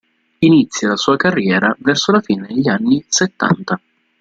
Inizia la sua carriera verso la fine degli anni settanta.